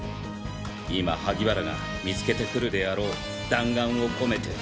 今萩原が見つけて来るであろう弾丸を込めて。